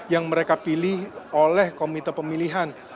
yang mereka pilih oleh komite pemilihan